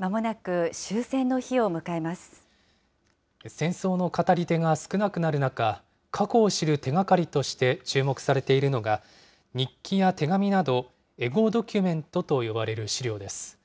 戦争の語り手が少なくなる中、過去を知る手がかりとして注目されているのが、日記や手紙など、エゴドキュメントと呼ばれる資料です。